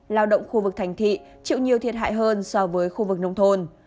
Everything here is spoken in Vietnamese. lao động khu vực thành thị chịu nhiều thiệt hại hơn so với khu vực nông thôn